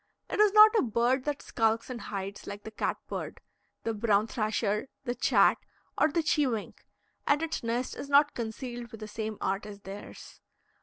It is not a bird that skulks and hides, like the cat bird, the brown thrasher, the chat, or the cheewink, and its nest is not concealed with the same art as theirs.